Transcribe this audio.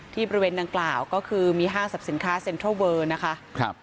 ที่บริเวณด้านกล่าวก็คือมีห้างสรรพสินค้าเค็มเติมโนมันนะคะครับ